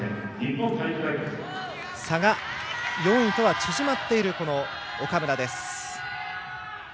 差が４位とは縮まっている岡村です。